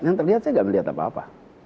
yang terlihat saya tidak melihat apa apa